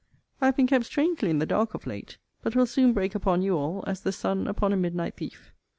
I have been kept strangely in the dark of late; but will soon break upon you all, as the sun upon a midnight thief.